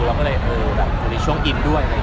เราก็เลยช่วงอินด้วย